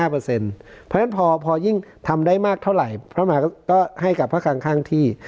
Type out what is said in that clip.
เพราะฉะนั้นพอยิ่งทำได้มากเท่าไหร่พระมหาก็ให้กับพระคังข้างที่